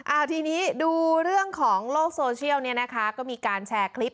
เอาทีนี้ดูเรื่องของโลกโซเชียลเนี่ยนะคะก็มีการแชร์คลิป